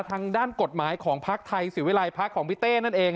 ทางด้านกฎหมายของภักดิ์ไทยศิวิลัยพักของพี่เต้นั่นเอง